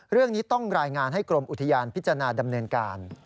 เรื่องนี้ต้องรายงานให้กรมอุทยานพิจารณาดำเนินการ